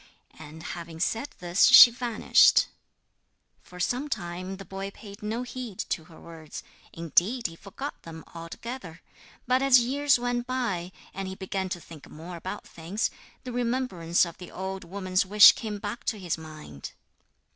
And having said this she vanished. For some time the boy paid no heed to her words indeed he forgot them altogether; but as years went by, and he began to think more about things, the remembrance of the old woman's wish came back to his mind.